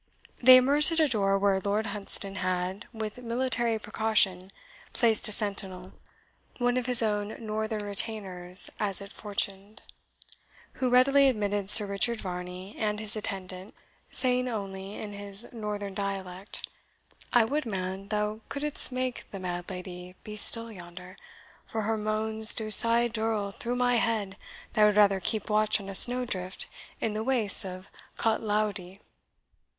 They emerged at a door where Lord Hunsdon had, with military precaution, placed a sentinel, one of his own northern retainers as it fortuned, who readily admitted Sir Richard Varney and his attendant, saying only, in his northern dialect, "I would, man, thou couldst make the mad lady be still yonder; for her moans do sae dirl through my head that I would rather keep watch on a snowdrift, in the wastes of Catlowdie."